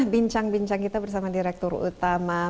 bincang bincang kita bersama direktur utama